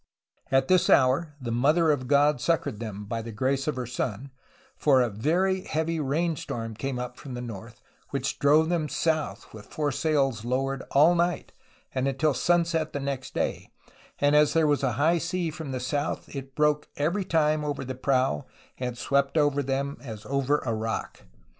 At this hour the Mother of God succored them, by the grace of her Son, for a very heavy rain storm came up from the north which drove them south with fore • sails lowered all night and until sunset the next day; and as there was a high sea from the south it broke every time over the prow and swept over them as over a rock.